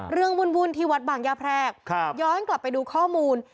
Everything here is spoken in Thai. เรื่องบุญบุญที่วัดบางยาแพรกครับย้อนกลับไปดูข้อมูล